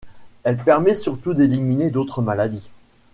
Elle permet surtout d'éliminer d'autres maladies.